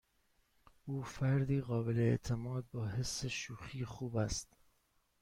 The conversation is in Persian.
او فردی قابل اعتماد با حس شوخی خوب است.